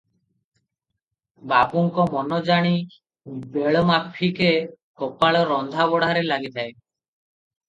ବାବୁଙ୍କ ମନ ଜାଣି ବେଳ ମାଫିକେ ଗୋପାଳ ରନ୍ଧା ବଢ଼ାରେ ଲାଗିଥାଏ ।